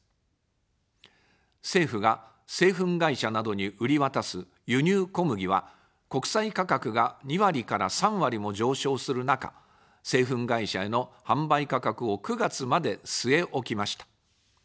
政府が製粉会社などに売り渡す輸入小麦は、国際価格が２割から３割も上昇する中、製粉会社への販売価格を９月まで据え置きました。